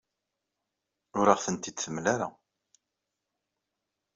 Ur aɣ-tent-id-temla ara.